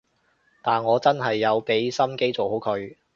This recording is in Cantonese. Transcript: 但我真係有畀心機做好佢